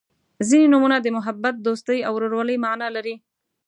• ځینې نومونه د محبت، دوستۍ او ورورولۍ معنا لري.